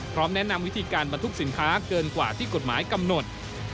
แนะนำวิธีการบรรทุกสินค้าเกินกว่าที่กฎหมายกำหนด